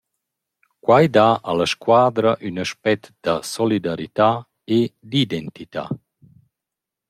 Quai dà a la squadra ün aspet da solidarità e d’identità.